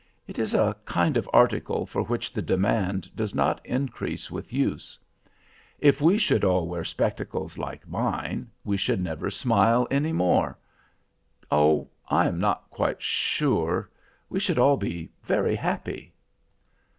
It is a kind of article for which the demand does not increase with use. If we should all wear spectacles like mine, we should never smile any more. Oh—I am not quite sure—we should all be very happy."